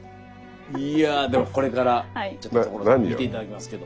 いやでもこれからちょっと所さんに見て頂きますけど。